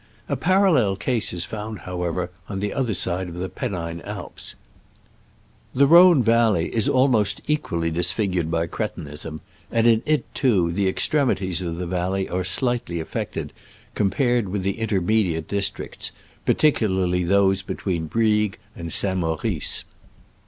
A parallel case is found, however, on the other side of the Pennine Alps. The Rhone valley is almost equally disfigured by cretinism, and in it, too, the extrem ities of the valley are slightly affected compared with the intermediate districts — particularly those between Brieg and St. Maurice.